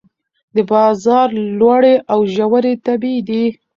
د بازار لوړې او ژورې طبیعي دي.